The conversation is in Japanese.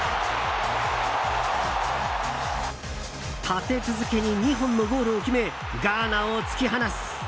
立て続けに２本のゴールを決めガーナを突き放す。